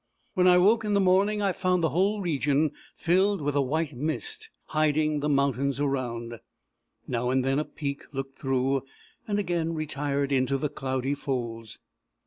When I woke in the morning, I found the whole region filled with a white mist, hiding the mountains around. Now and then a peak looked through, and again retired into the cloudy folds.